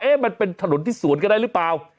มันเป็นถนนที่สวนกันได้หรือเปล่า